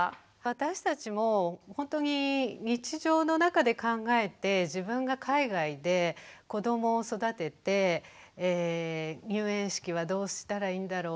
私たちもほんとに日常の中で考えて自分が海外で子どもを育てて入園式はどうしたらいいんだろう？